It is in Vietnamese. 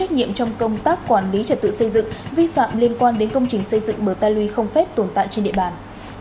nhiệm trong công tác quản lý trật tự xây dựng vi phạm liên quan đến công trình xây dựng bờ ta luy không phép tồn tại trên địa bàn